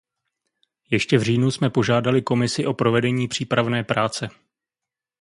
Ještě v říjnu jsme požádali Komisi o provedení přípravné práce.